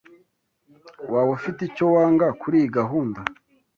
Waba ufite icyo wanga kuriyi gahunda?